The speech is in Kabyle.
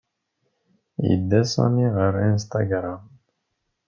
Yedda Sami ɣer Instagram.